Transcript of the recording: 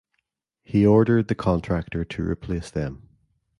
He ordered the contractor to replace them.